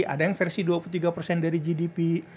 ada yang versi dua puluh tiga persen dari gdp